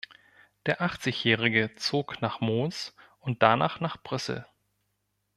Der Achtzigjährige zog nach Mons und danach nach Brüssel.